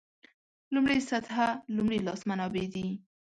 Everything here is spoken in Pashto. لومړۍ سطح لومړي لاس منابع دي.